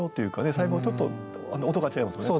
最後ちょっと音が違いますよね。